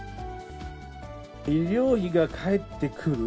医療費が返ってくる？